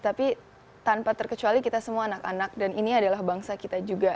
tapi tanpa terkecuali kita semua anak anak dan ini adalah bangsa kita juga